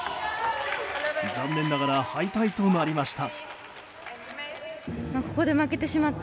残念ながら敗退となりました。